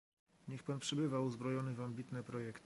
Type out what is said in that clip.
Niech pan przybywa uzbrojony w ambitne projekty